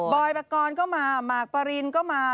อยปกรณ์ก็มาหมากปรินก็มา